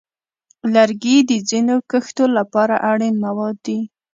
لرګي د ځینو کښتو لپاره اړین مواد دي.